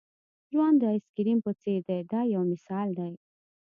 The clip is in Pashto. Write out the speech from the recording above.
ژوند د آیس کریم په څېر دی دا یو مثال دی.